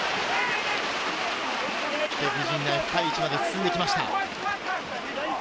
敵陣内、深い位置まで進んできました。